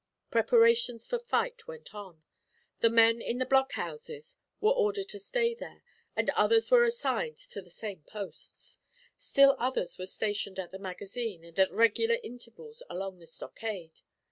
Preparations for fight went on. The men in the blockhouses were ordered to stay there, and others were assigned to the same posts. Still others were stationed at the magazine and at regular intervals along the stockade.